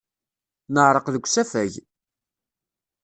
Neɛreq deg usafag.